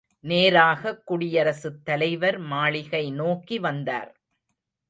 நேராகக் குடியரசுத் தலைவர் மாளிகை நோக்கி வந்தார்.